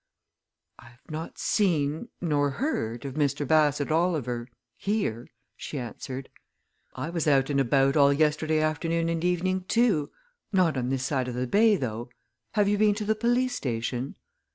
"I have not seen nor heard of Mr. Bassett Oliver here," she answered. "I was out and about all yesterday afternoon and evening, too not on this side of the bay, though. Have you been to the police station?"